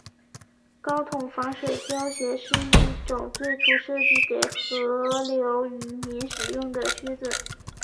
高筒防水胶靴是一种最初设计给河流渔民使用的靴子。